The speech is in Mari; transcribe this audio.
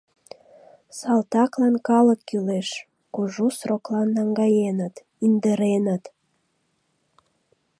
Салтаклан калык кӱлеш — кужу сроклан наҥгаеныт, индыреныт!